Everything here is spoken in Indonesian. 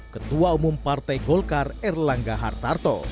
ketua umum partai golkar erlangga hartarto